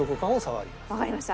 わかりました。